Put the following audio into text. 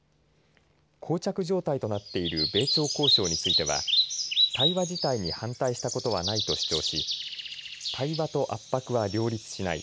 こう着状態となっている米朝交渉については対話自体に反対したことはないと主張し対話と圧迫は両立しない。